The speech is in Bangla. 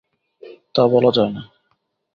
তা বলা যায় না।